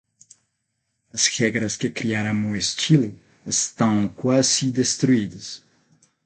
As regras que criaram o estilo estão quase destruídas.